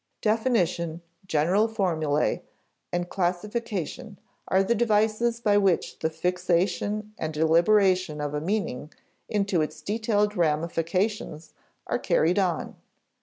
Definition, general formulæ, and classification are the devices by which the fixation and elaboration of a meaning into its detailed ramifications are carried on.